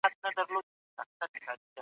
تر هیڅ غوږه نه دی وړی